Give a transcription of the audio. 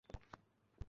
রিক, এটা পাগলামো।